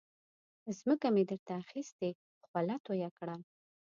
ځمکه مې در ته اخستې خوله تویه کړه.